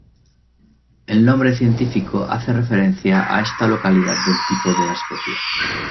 El nombre científico hace referencia a esta localidad del tipo de la especie.